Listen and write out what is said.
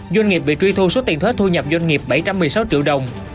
doanh nghiệp bị truy thu số tiền thuế thu nhập doanh nghiệp bảy trăm một mươi sáu triệu đồng